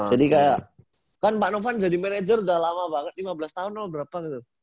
jadi kayak kan pak novan jadi manajer udah lama banget lima belas tahun lho berapa gitu